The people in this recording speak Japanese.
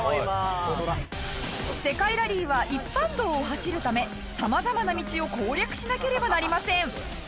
世界ラリーは一般道を走るため様々な道を攻略しなければなりません。